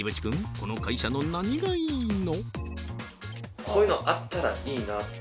この会社の何がいいの？